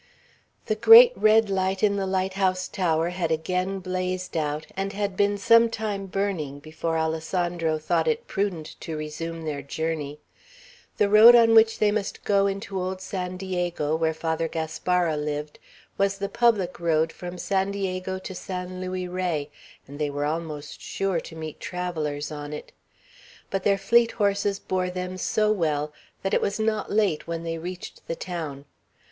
The great red light in the light house tower had again blazed out, and had been some time burning before Alessandro thought it prudent to resume their journey. The road on which they must go into old San Diego, where Father Gaspara lived, was the public road from San Diego to San Luis Rey, and they were almost sure to meet travellers on it. But their fleet horses bore them so well, that it was not late when they reached the town.